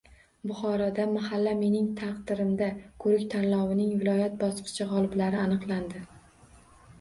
Buxoroda “Mahalla - mening taqdirimda” ko‘rik-tanlovining viloyat bosqichi g‘oliblari aniqlandi